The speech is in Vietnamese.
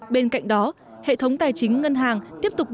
bên cạnh đó hệ thống tài chính ngân hàng tiếp tục